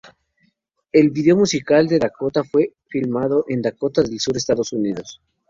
El vídeo musical de "Dakota" fue filmado en Dakota del Sur, Estados Unidos.